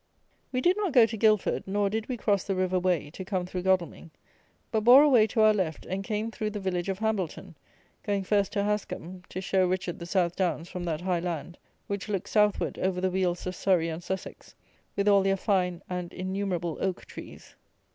We did not go to Guildford, nor did we cross the River Wey, to come through Godalming; but bore away to our left, and came through the village of Hambleton, going first to Hascomb, to show Richard the South Downs from that high land, which looks Southward over the Wealds of Surrey and Sussex, with all their fine and innumerable oak trees.